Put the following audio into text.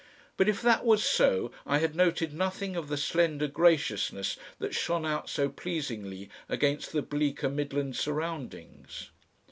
But if that was so I had noted nothing of the slender graciousness that shone out so pleasingly against the bleaker midland surroundings.